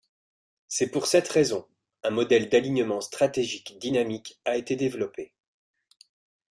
C’est pour cette raison, un modèle d’alignement stratégique dynamique a été développé.